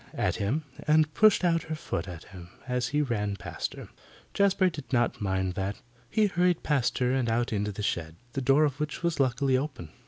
at him, and pushed out her foot at him as he ran past her. Jazbury did not mind that. He hurried on past her, and out into the shed, the door of which was luckily open.